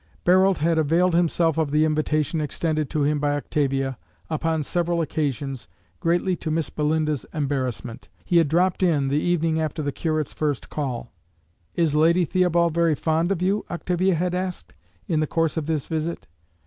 Barold had availed himself of the invitation extended to him by Octavia, upon several occasions, greatly to Miss Belinda's embarrassment. He had dropped in the evening after the curate's first call. "Is Lady Theobald very fond of you?" Octavia had asked, in the course of this visit.